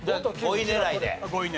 ５位狙い。